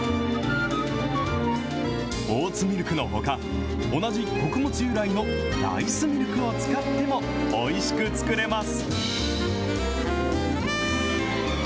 オーツミルクのほか、同じ穀物由来のライスミルクを使ってもおいしく作れます。